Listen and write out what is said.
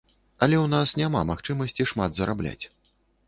Але ў нас няма магчымасці шмат зарабляць.